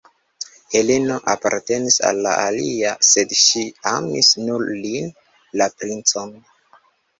Heleno apartenis al la alia, sed ŝi amis nur lin, la princon.